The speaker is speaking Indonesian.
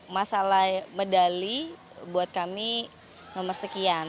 masalah medali buat kami nomor sekian